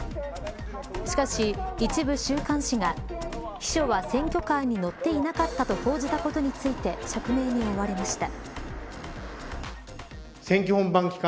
しかし、一部週刊誌が秘書は選挙カーに乗っていなかったと報じたことについて釈明に追われました。